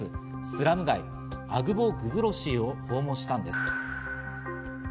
スラム街、アグボグブロシーを訪れたんです。